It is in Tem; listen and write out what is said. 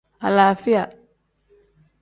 Alaafiya.